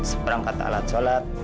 seperangkat alat sholat